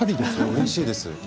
うれしいです。